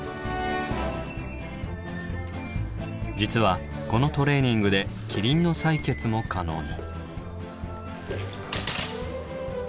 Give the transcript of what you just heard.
実はこのトレーニングでキリンの採血も可能に。